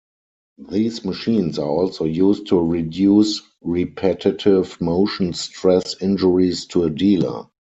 These machines are also used to reduce repetitive motion stress injuries to a dealer.